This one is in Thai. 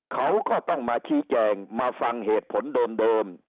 เขาก็ต้องมาชี้แจงมาฟังเหตุผลเดิม